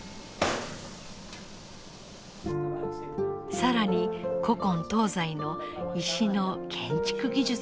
更に古今東西の石の建築技術を研究。